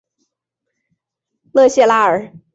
勒谢拉尔。